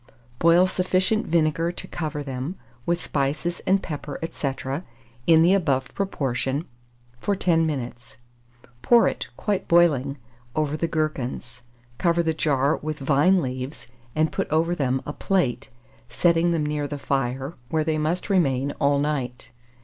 Boil sufficient vinegar to cover them, with spices and pepper, &c., in the above proportion, for 10 minutes; pour it, quite boiling, over the gherkins, cover the jar with vine leaves, and put over them a plate, setting them near the fire, where they must remain all night.